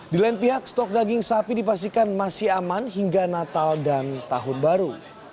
di lain pihak stok daging sapi dipastikan masih aman hingga natal dan tahun baru